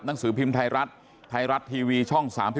หนังสือพิมพ์ไทยรัฐไทยรัฐทีวีช่อง๓๒